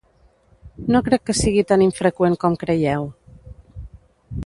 No crec que sigui tan infreqüent com creieu.